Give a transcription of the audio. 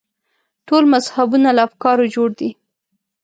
ټول مذهبونه له افکارو جوړ دي.